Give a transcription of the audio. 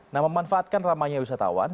nah memanfaatkan ramanya wisatawan